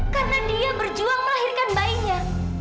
karena dia berjuang melahirkan bayinya